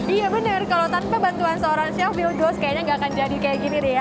iya benar kalau tanpa bantuan seorang chef wildos kayaknya nggak akan jadi kayak gini deh ya